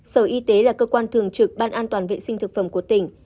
sở y tế là cơ quan thường trực ban an toàn vệ sinh thực phẩm của tỉnh